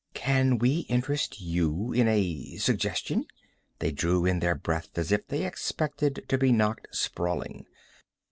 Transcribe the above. "Can we interest you in a suggestion?" They drew in their breath as if they expected to be knocked sprawling.